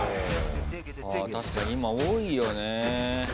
確かに今多いよね。